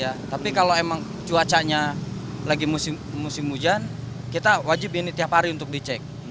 ya tapi kalau emang cuacanya lagi musim hujan kita wajib ini tiap hari untuk dicek